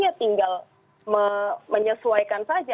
ya tinggal menyesuaikan saja